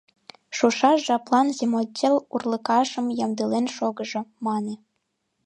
Шушаш жаплан земотдел урлыкашым ямдылен шогыжо, мане.